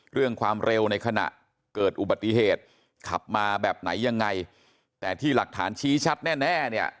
เรื่องความเร็วในขณะเกิดอุบัติเหตุขับมาแบบไหนยังไงแต่ที่หลักฐานชี้ชัดแน่แน่เนี่ย